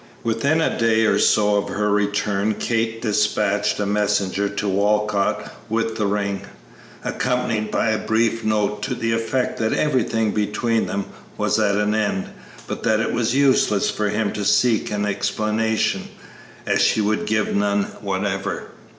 Within a day or so of her return Kate despatched a messenger to Walcott with the ring, accompanied by a brief note to the effect that everything between them was at an end, but that it was useless for him to seek an explanation, as she would give none whatever.